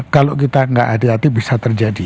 kalau kita nggak adil hati bisa terjadi